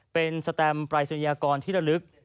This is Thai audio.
เป็นสแตมปรายศนียากรที่ระลึก